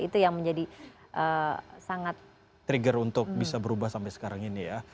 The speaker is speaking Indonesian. itu yang menjadi sangat trigger untuk bisa berubah sampai sekarang ini ya